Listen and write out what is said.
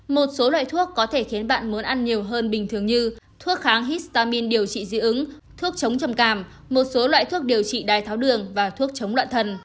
một số loại thuốc có thể khiến bạn muốn ăn nhiều hơn bình thường như thuốc kháng histamine điều trị dưỡng thuốc chống chầm càm một số loại thuốc điều trị đai tháo đường và thuốc chống loạn thần